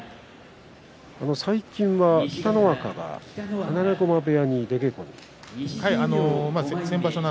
最近は北の若が放駒部屋に出稽古に行ってますね。